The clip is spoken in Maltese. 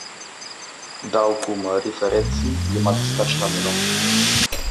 Dawk huma riferenzi li ma tistax tagħmilhom.